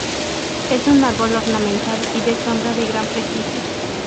Es un árbol ornamental y de sombra de gran prestigio.